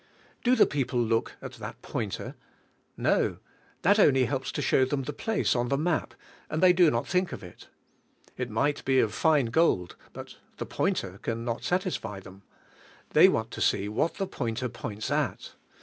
Do the people look at that pointer? No, that only helps to show them the place on the map, and they do not think of it, — it might be of fine gold ; but the pointer can not satisfy them. The}^ want to see v;hat the pointer points at.